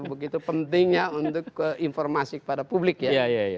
begitu pentingnya untuk informasi kepada publik ya